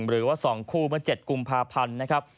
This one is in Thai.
หรือว่า๒คู่เมื่อ๗กุมภาพันธ์นะครับ